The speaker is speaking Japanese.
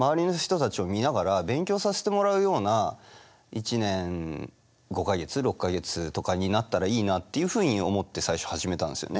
１年５か月６か月とかになったらいいなっていうふうに思って最初始めたんですよね。